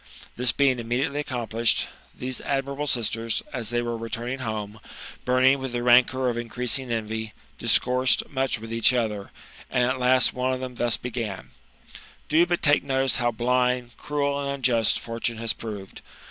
This being immediately accomplished, these admirable sisters, as they were returning home, burning with the rancour of increasing envy, discoursed much with each other, and at last one of them thus began :'' Do but take notice how blind, cruel, and unjust, fortune has proved